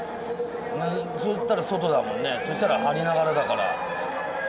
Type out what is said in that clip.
そう行ったら外だもんねそしたらはりながらだから。